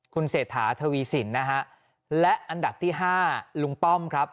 คุณเศรษฐาทวีสินนะฮะและอันดับที่๕ลุงป้อมครับ